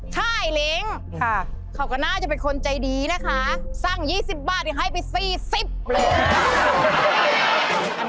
ช่ายเหรงครับเขาก็น่าจะเป็นคนใจดีนะคะสร้าง๒๐บาทยังให้ไป๔๐บาท